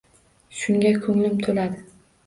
Shunga ko‘nglim to‘ladi